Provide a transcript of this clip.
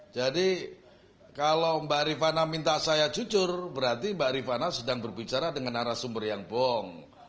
jadi kalau mbak rifana minta saya jujur berarti mbak rifana sedang berbicara dengan arah sumber yang bohong